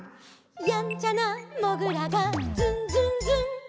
「やんちゃなもぐらがズンズンズン」